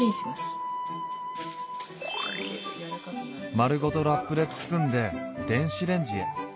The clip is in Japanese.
丸ごとラップで包んで電子レンジへ。